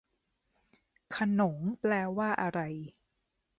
ขนงแปลว่าอะไร